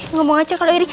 ngomong aja kalau iri